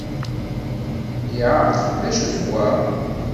Ɛaq, D acu d wa?